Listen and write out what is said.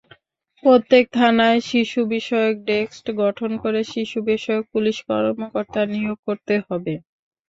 প্রত্যেক থানায় শিশুবিষয়ক ডেস্ক গঠন করে শিশুবিষয়ক পুলিশ কর্মকর্তা নিয়োগ করতে হবে।